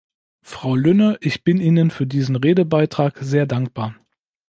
Frau Lynne, ich bin Ihnen für diesen Redebeitrag sehr dankbar.